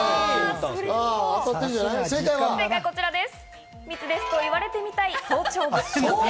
正解はこちらです。